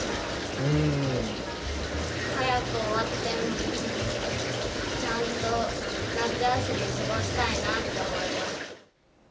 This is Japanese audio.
うーん。早く終わって、ちゃんと夏休みを過ごしたいなって思います。